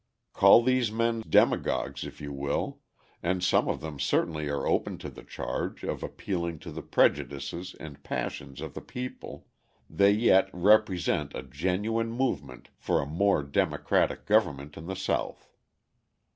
Call these men demagogues if you will, and some of them certainly are open to the charge of appealing to the prejudices and passions of the people, they yet represent a genuine movement for a more democratic government in the South.